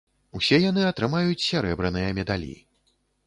Усе яны атрымаюць сярэбраныя медалі.